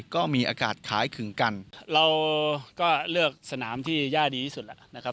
ก็มีอากาศขายขึงกันเราก็เลือกสนามที่ย่าดีที่สุดแล้วนะครับ